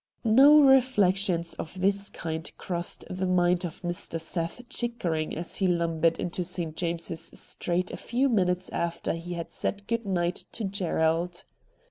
No reflections of this kind crossed the mind of Mr. Seth Chickering as he lumbered into St. James's Street a few minutes after he had said good night to Gerald.